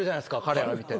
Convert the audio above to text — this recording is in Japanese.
彼ら見て。